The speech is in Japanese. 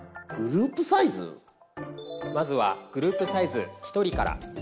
まずはグループサイズ１人から。